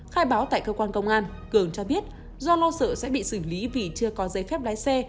khai báo tại cơ quan công an cường cho biết do lo sợ sẽ bị xử lý vì chưa có giấy phép lái xe